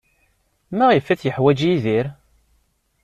Maɣef ay t-yeḥwaj Yidir?